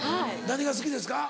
何が好きですか？